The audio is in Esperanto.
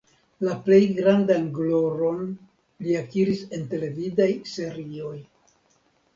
La plej grandan gloron li akiris en televidaj serioj.